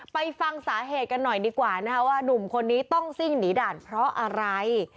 ไปฟังสาเหตุกันหน่อยดีกว่านะคะว่านุ่มคนนี้ต้องซิ่งหนีด่านเพราะอะไร